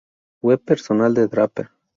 Web personal de Draper